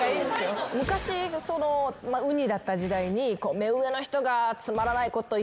昔ウニだった時代に。